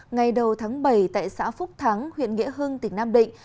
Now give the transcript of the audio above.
ngày đầu tháng bảy tại xã phúc thắng huyện nghĩa hưng tỉnh nam định